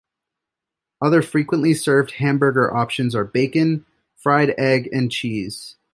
Other frequently-served hamburger options are bacon, fried egg and cheese.